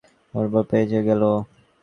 মোতির মার সহায়তা পেয়ে বেঁচে গেল।